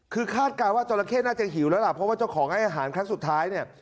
คือคาดการณ์ว่าจราเข้น่าจะหิวแล้วล่ะเพราะว่าเจ้าของให้อาหารครั้งสุดท้ายเนี่ย